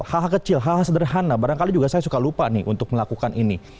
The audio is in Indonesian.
hal hal kecil hal hal sederhana barangkali juga saya suka lupa nih untuk melakukan ini